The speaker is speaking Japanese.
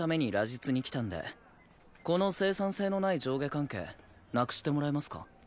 実に来たんでこの生産性のない上下関係なくしてもらえますか？